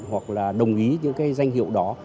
hoặc đồng ý những danh hiệu đó